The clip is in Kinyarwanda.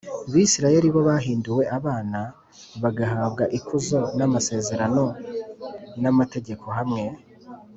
Bisirayeli bo bahinduwe abana d bagahabwa ikuzo n amasezerano n amategeko hamwe